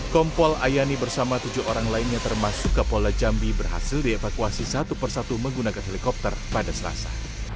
kompol ayani bersama tujuh orang lainnya termasuk kapolda jambi berhasil dievakuasi satu persatu menggunakan helikopter pada selasa